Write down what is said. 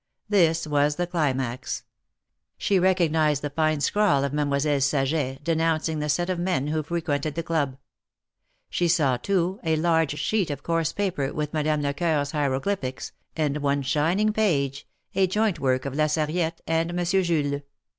This was the climax. She recognized the fine scrawl of Mademoiselle Saget, denouncing the set of men who frequented the club. She saw, too, a large sheet of coarse paper with Madame Lecoeur's hieroglyphics, and one shining page, a joint work of La Sarriette and Mon sieur Jules.